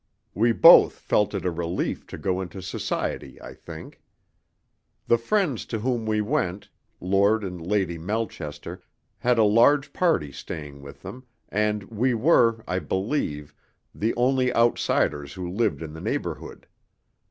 We both felt it a relief to go into society, I think. The friends to whom we went Lord and Lady Melchester had a large party staying with them, and we were, I believe, the only outsiders who lived in the neighbourhood.